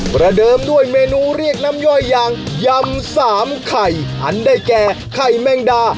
ประเดิมด้วยเมนูเรียกน้ำย่อยอย่างยำสามไข่อันได้แก่ไข่แมงดา